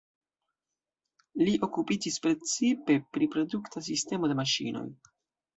Li okupiĝis precipe pri produkta sistemo de maŝinoj.